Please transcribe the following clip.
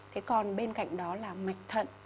thế còn bên cạnh đó là mạch thận